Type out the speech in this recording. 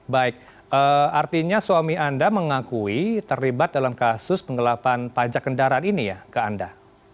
baik artinya suami anda mengakui terlibat dalam kasus penggelapan pajak kendaraan ini ya ke anda